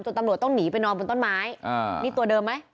ตำรวจต้องหนีไปนอนบนต้นไม้นี่ตัวเดิมไหม